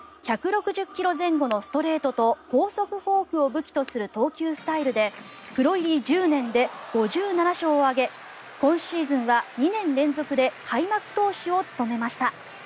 １６０ｋｍ前後のストレートと高速フォークを武器とする投球スタイルでプロ入り１０年で５７勝を挙げ今シーズンは２年連続で開幕投手を務めました。